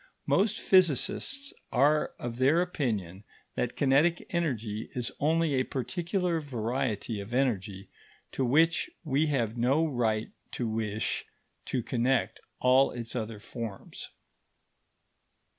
Most physicists are of their opinion, that kinetic energy is only a particular variety of energy to which we have no right to wish to connect all its other forms.